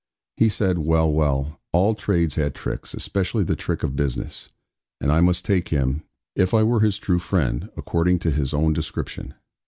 He said, 'Well, well; all trades had tricks, especially the trick of business; and I must take him if I were his true friend according to his own description.'